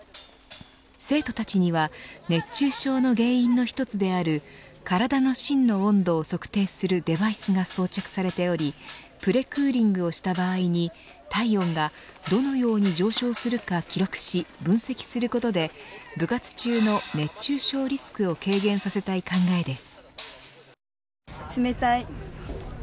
生徒たちには熱中症の原因の１つである体の芯の温度を測定するデバイスが装着されておりプレクーリングをした場合に体温が、どのように上昇するか記録し、分析することで部活中の熱中症リスクを軽減させたい考えです。